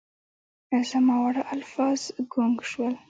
زما واړه الفاظ ګونګ شول